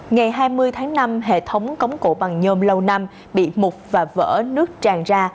ngày hai mươi tháng năm hệ thống cống cổ bằng nhôm lâu năm bị mục và vỡ nước tràn ra